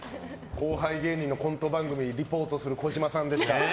後輩芸人のコント番組リポートする児嶋さんでした。